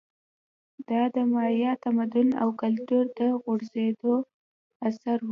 دا د مایا تمدن او کلتور د غوړېدو عصر و